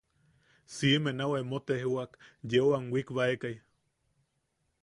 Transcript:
Siʼime nau emo tejwak yeu am wikbaekai.